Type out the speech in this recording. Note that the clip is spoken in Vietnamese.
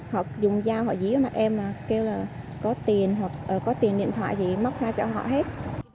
họ dùng dao họ dí vào mặt em kêu là có tiền hoặc có tiền điện thoại gì móc ra cho họ hết